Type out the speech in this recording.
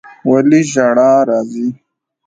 ولي ژړا راځي